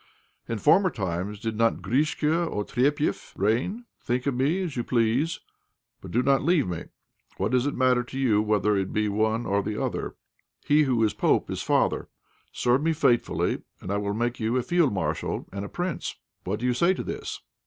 In former times did not Grischka Otrépieff reign? Think of me as you please, but do not leave me. What does it matter to you whether it be one or the other? He who is pope is father. Serve me faithfully, and I will make you a field marshal and a prince. What do you say to this?"